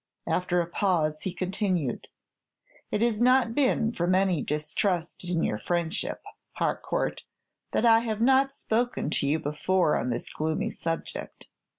After a pause, he continued: "It has not been from any distrust in your friendship, Harcourt, that I have not spoken to you before on this gloomy subject.